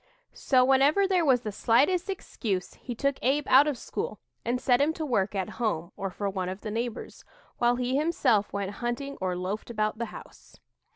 So, whenever there was the slightest excuse, he took Abe out of school and set him to work at home or for one of the neighbors, while he himself went hunting or loafed about the house.